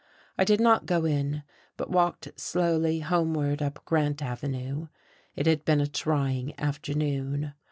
I did not go in, but walked slowly homeward up Grant Avenue. It had been a trying afternoon.